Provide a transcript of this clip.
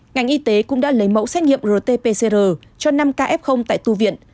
ngành y tế cũng đã lấy mẫu xét nghiệm rt pcr cho năm kf tại tu viện